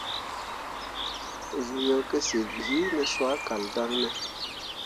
Zuu ye kǝsyil bi ne soa kal daŋ ne ?